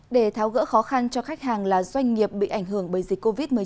để tháo gỡ khó khăn cho khách hàng là doanh nghiệp bị ảnh hưởng bởi dịch covid một mươi chín